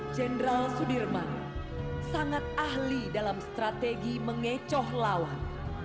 jenderal sudirman sangat ahli dalam strategi mengecoh lawan